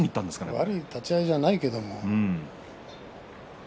悪い立ち合いじゃないけども。